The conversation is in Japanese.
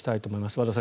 和田さん